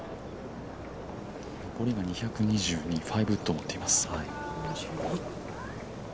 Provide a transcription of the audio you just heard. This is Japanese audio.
残りが２２２、５ウッドを持っています。